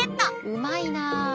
うまいな。